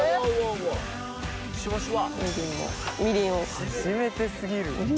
初めて過ぎる！